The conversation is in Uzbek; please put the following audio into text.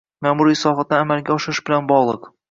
ma'muriy islohotlarni amalga oshirish bilan bog'liq